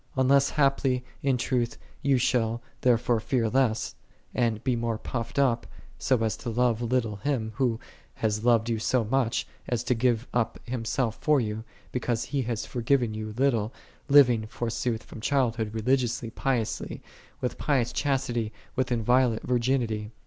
Un less haply, in truth, thou shalt therefore fear less, and be more puffed up, so as to love little Him, Who hath loved thee so much, as to give up Himself for thee," because He hath forgiven thee little, living, forsooth from childhood, religiously, piously, with pious chastity, with inviolate virginity.